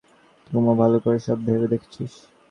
বিপ্রদাস কুমুকে জিজ্ঞাসা করলে, কুমু, ভালো করে সব ভেবে দেখেছিস?